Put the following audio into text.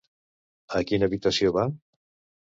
A quina habitació va?